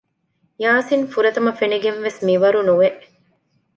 ޔާސިން ފުރަތަމަ ފެނިގެންވެސް މިވަރުނުވެ